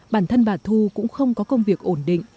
bản thân bà thu cũng không có công việc ổn định